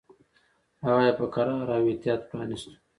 هغه یې په کراره او احتیاط پرانیستو.